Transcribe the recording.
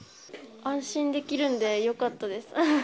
安心できるんで、よかったです。